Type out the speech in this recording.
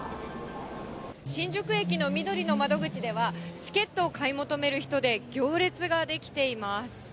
新宿駅のみどりの窓口では、チケットを買い求める人で行列が出来ています。